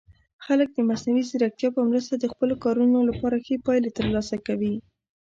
خلک د مصنوعي ځیرکتیا په مرسته د خپلو کارونو لپاره ښه پایلې ترلاسه کوي.